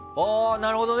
なるほどね。